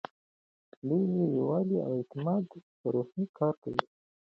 دوی د یووالي او اعتماد په روحیه کار کوي.